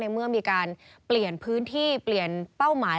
เมื่อมีการเปลี่ยนพื้นที่เปลี่ยนเป้าหมาย